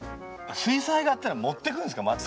水彩画っていうのは持ってくるんですかまず。